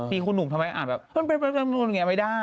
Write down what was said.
พี่คู่หนุ่มทำไมอ่านแบบไม่ได้